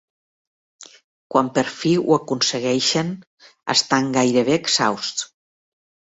Quan per fi ho aconsegueixen, estan gairebé exhausts.